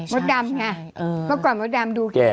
เมื่อก่อนมาแดมดูแก่